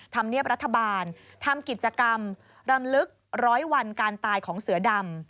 ธรรมเนียบรัฐบาลทำกิจกรรมรำลึกร้อยวันการตายของเสือดำ